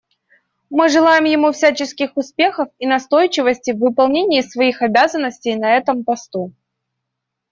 Мы желаем ему всяческих успехов и настойчивости в выполнении своих обязанностей на этом посту.